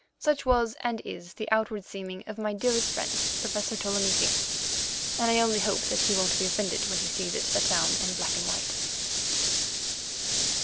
Such was, and is, the outward seeming of my dearest friend, Professor Ptolemy Higgs, and I only hope that he won't be offended when he sees it set down in black and white.